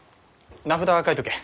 名札は書いとけ。